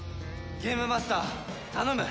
ゲームマスター頼む！